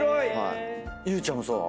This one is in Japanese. ゆうちゃんもそう？